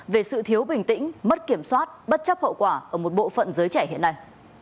về sự thiếu bình tĩnh mất kiểm soát bất chấp hậu quả ở một bộ phận giới trẻ hiện nay